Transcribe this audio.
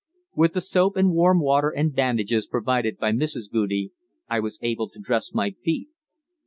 With the soap and warm water and bandages provided by Mrs. Goudie I was able to dress my feet.